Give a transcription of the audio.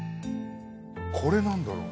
これ何だろう？